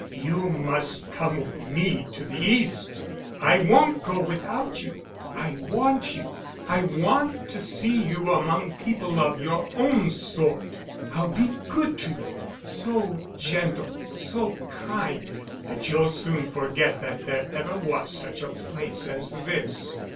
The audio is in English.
"You must come with me to the East. I won't go without you. I want you. I want to see you among people of your own sort. I'll be good to you—so gentle, so kind that you'll soon forget that there ever was such a place as this."